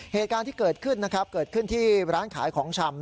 เหตุการณ์ที่เกิดขึ้นนะครับเกิดขึ้นที่ร้านขายของชำ